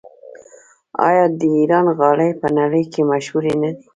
آیا د ایران غالۍ په نړۍ کې مشهورې نه دي؟